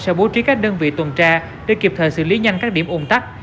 sẽ bố trí các đơn vị tuần tra để kịp thời xử lý nhanh các điểm ủng tắc